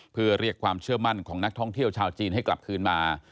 เพื่อเรียกความเชื่อมั่นของนักท่องเที่ยวชาวจีนให้กลับคืนมา